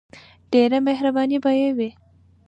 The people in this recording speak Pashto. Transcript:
ډیره مهربانی به یی وی.